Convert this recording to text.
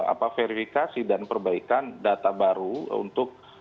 apa verifikasi dan perbaikan data baru untuk